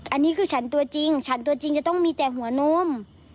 อันนี้คือฉันตัวจริงฉันตัวจริงจะต้องมีแต่หัวนม